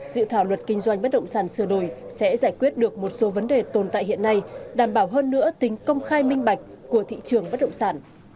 dự thảo luật kinh doanh bất động sản sửa đổi sẽ giải quyết được một số vấn đề tồn tại hiện nay đảm bảo hơn nữa tính công khai minh bạch của thị trường bất động sản